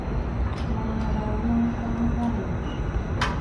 Walrawnga ka vai